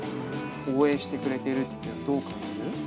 応援してくれてるって、どう感じる？